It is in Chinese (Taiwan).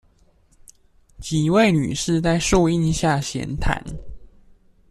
幾位女士在樹陰下閒談